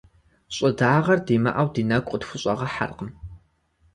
Щӏыдагъэр димыӏэу ди нэгу къытхущӏэгъэхьэркъым.